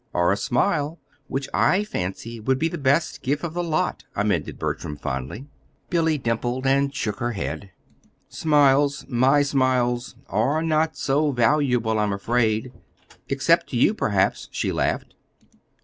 "Or a smile which I fancy will be the best gift of the lot," amended Bertram, fondly. Billy dimpled and shook her head. "Smiles my smiles are not so valuable, I'm afraid except to you, perhaps," she laughed.